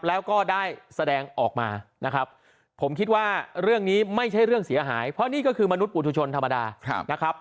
แล้วก็ได้แสดงออกมานะครับผมคิดว่าเรื่องนี้ไม่ใช่เรื่องเสียหายเพราะนี่ก็คือมนุษยปุธุชนธรรมดานะครับ